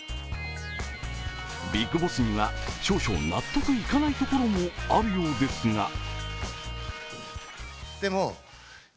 ビッグボスには少々納得いかないところもあるようですが。